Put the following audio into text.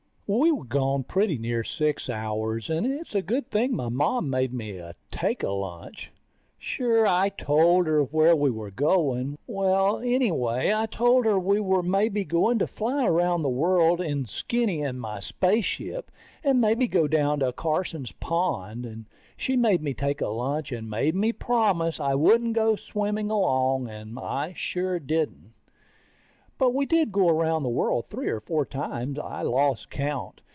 We were gone pretty near six hours, and it's a good thing my Mom made me take a lunch. Sure, I told her where we were going. Well ... anyway I told her we were maybe going to fly around the world in Skinny and my spaceship, or maybe go down to Carson's pond. And she made me take a lunch and made me promise I wouldn't go swimming alone, and I sure didn't. But we did go around the world three or four times. I lost count.